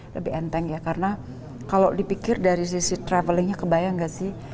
lebih enteng ya karena kalau dipikir dari sisi travelingnya kebayang gak sih